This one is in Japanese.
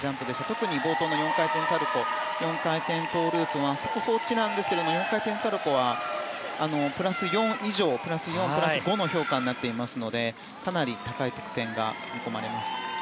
特に冒頭の４回転サルコウ４回転トウループは速報値ですが４回転サルコウはプラス４以上プラス５の評価になっていますのでかなり高い得点が見込まれます。